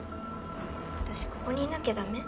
私ここにいなきゃ駄目？